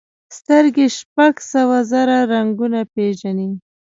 سترګې شپږ سوه زره رنګونه پېژني.